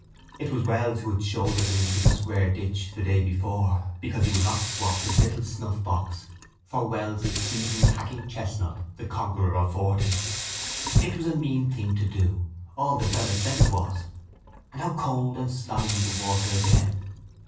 It was Wells who had shouldered him into the square ditch the day before because he would not swop his little snuffbox for Wells's seasoned hacking chestnut, the conqueror of forty. It was a mean thing to do; all the fellows said it was. And how cold and slimy the water had been!